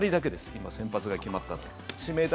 今、先発が決まったのは。